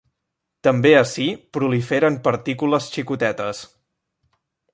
També ací proliferen partícules xicotetes.